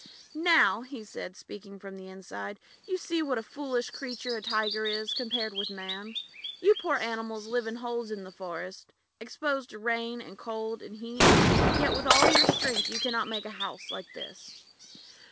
"Now," said he, speaking from inside, "you see what a foolish creature a Tiger is compared with Man. You poor animals live in holes in the forest, exposed to rain, and cold, and heat; yet with all your strength you cannot make a house like this.